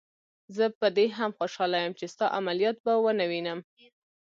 زه په دې هم خوشحاله یم چې ستا عملیات به ونه وینم.